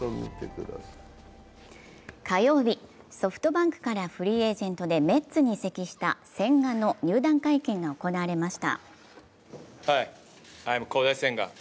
火曜日、ソフトバンクからフリーエージェントでメッツに移籍した千賀の入団会見が行われました。